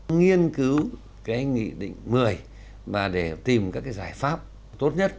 nghiên cứu cái nghị định một mươi mà để tìm các cái giải pháp tốt nhất